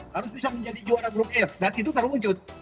harus bisa menjadi juara grup f dan itu terwujud